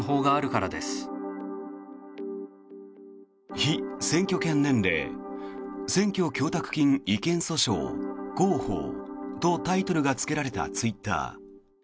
「“被選挙権年齢・選挙供託金違憲訴訟”広報」とタイトルがつけられたツイッター。